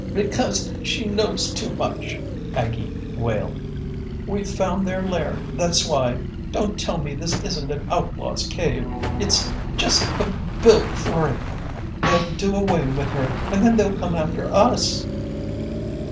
"B because she knows too much," Aggie wailed. "We've found their lair, that's why don't tell me this isn't an outlaw's cave. It's just b built for it. They'll do away with her and then they'll come after us."